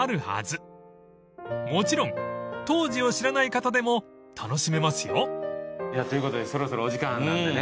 ［もちろん当時を知らない方でも楽しめますよ］ということでそろそろお時間なんでね。